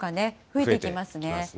増えてきますね。